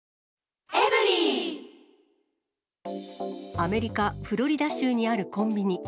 アメリカ・フロリダ州にあるコンビニ。